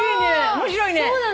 面白いね。